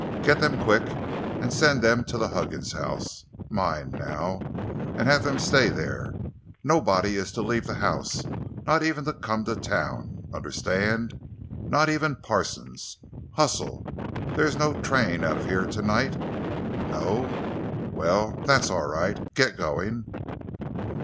"Get them—quick—and send them to the Huggins house—mine, now—and have them stay there. Nobody is to leave the house—not even to come to town. Understand? Not even Parsons. Hustle! There is no train out of here tonight? No? Well, that's all right. Get going!"